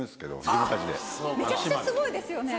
めちゃくちゃすごいですよね。